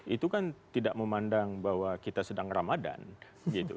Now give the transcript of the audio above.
itu kan tidak memandang bahwa kita sedang ramadhan gitu